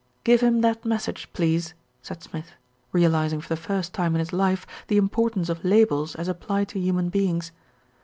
"Give him that message, please," said Smith, realis ing for the first time in his life the importance of labels as applied to human beings.